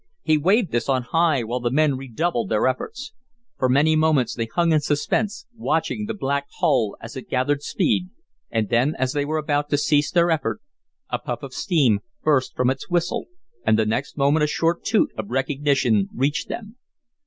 He waved this on high while the men redoubled their efforts. For many moments they hung in suspense, watching the black hull as it gathered speed, and then, as they were about to cease their effort, a puff of steam burst from its whistle and the next moment a short toot of recognition reached them.